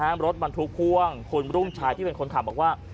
รถบรรทุกพ่วงคุณรุ่งชายที่เป็นคนขับบอกว่า